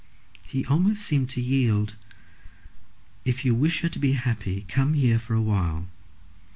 He almost seemed to yield. "If you wish her to be happy, come here for a while.